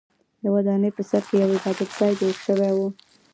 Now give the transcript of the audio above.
د ودانۍ په سر کې یو عبادت ځای جوړ شوی و.